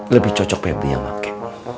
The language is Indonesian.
lebih cocok pebi yang pake